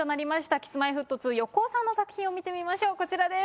Ｋｉｓ−Ｍｙ−Ｆｔ２・横尾さんの作品を見てみましょうこちらです。